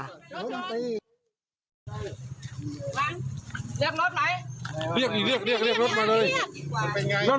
แล้วเเลือกรถไหม